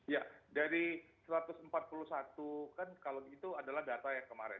ya dari satu ratus empat puluh satu kan kalau itu adalah data yang kemarin